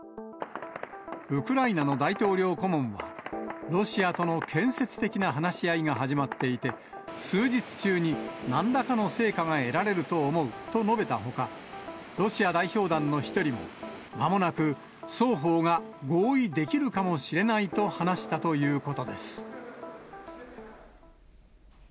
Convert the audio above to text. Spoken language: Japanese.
ウクライナの大統領顧問は、ロシアとの建設的な話し合いが始まっていて、数日中になんらかの成果が得られると思うと述べたほか、ロシア代表団の１人も、まもなく双方が合意できるかもしれないと話したということです。